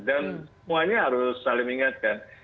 dan semuanya harus saling mengingatkan